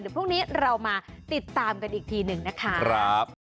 พรุ่งนี้เรามาติดตามกันอีกทีหนึ่งนะคะ